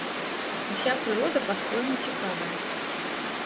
Уся прырода па-свойму цікавая.